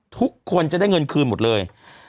ทุกคนจะได้เงินคืนหมดเลย